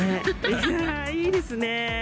いやー、いいですねぇ。